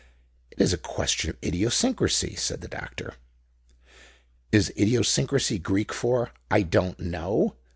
"It is a question of idiosyncrasy," said the doctor. "Is idiosyncrasy Greek for 'I don't know'?"